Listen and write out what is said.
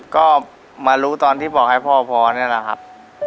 ก็มารู้ตอนที่บอกให้พ่อพอนี่แหละครับ